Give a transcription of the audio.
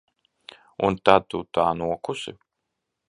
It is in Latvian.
Un tad tu tā nokusi?